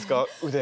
腕。